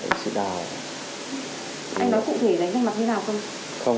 anh nói cụ thể đến gần mặt thế nào không